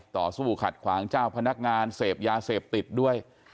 ต่อสู้ขัดขวางเจ้าพนักงานเสพยาเสพติดด้วย